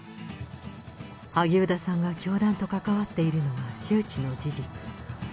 萩生田さんが教団と関わっているのは周知の事実。